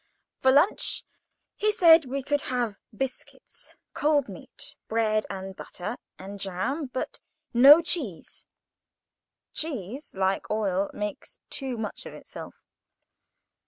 For lunch, he said, we could have biscuits, cold meat, bread and butter, and jam—but no cheese. Cheese, like oil, makes too much of itself.